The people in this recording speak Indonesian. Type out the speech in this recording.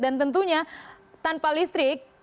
dan tentunya tanpa listrik